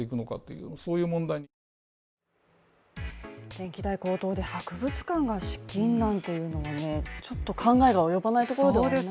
電気代高騰で博物館が資金難というのはね、ちょっと考えが及ばないところではありましたね。